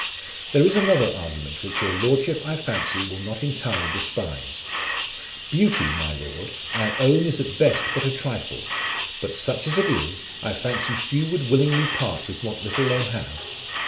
"There is another argument which your lordship, I fancy, will not entirely despise : beauty, my lord, I own is at best but a trifle, but such as it is, I fancy few would willingly part with what little they have.